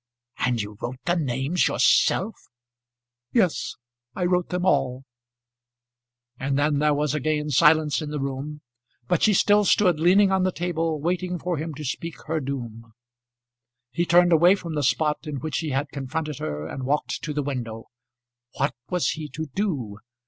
"And you wrote the names, yourself?" "Yes; I wrote them all." And then there was again silence in the room; but she still stood, leaning on the table, waiting for him to speak her doom. He turned away from the spot in which he had confronted her and walked to the window. What was he to do?